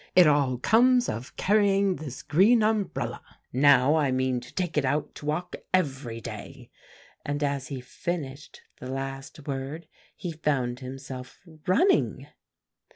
'It all comes of carrying this green umbrella; now I mean to take it out to walk every day.' And as he finished the last word, he found himself running.